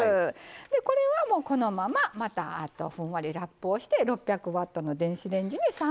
これはこのまままたふんわりラップをして６００ワットの電子レンジに３分かけます。